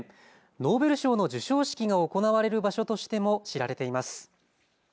ノーベル賞の授賞式が行われる場所としても知られています。